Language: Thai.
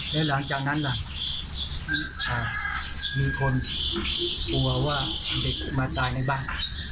แล้วหลังจากนั้นล่ะมีคนกลัวว่าเด็กจะมาตายในบ้าน